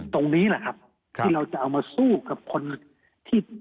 ตรงนี้แหละครับที่เราจะเอามาสู้กับคนที่